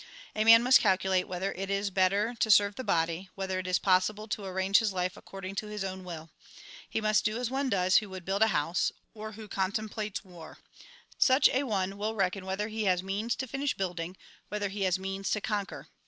A man must calculate, whether it is better to serve the body, whether it is possible to arrange his life according to his own will. He must do as one does who would build a house, or who contem plates war. Such an one will reckon whether he has means to finish building, whether he has means to conquer.